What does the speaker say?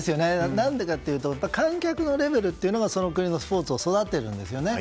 何でかっていうと観客のレベルというのがその国のスポーツを育てるんですよね。